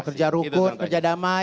kerja rukun kerja damai